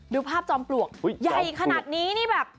ดูภาพจอมปลวกใหญ่ขนาดนี้นี่แบบ